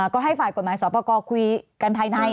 ก็ให้ฝ่ายกฎหมายสอบประกอบคุยกันภายใน